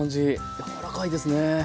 柔らかいですね。